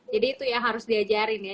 jadi itu yang harus diajarin ya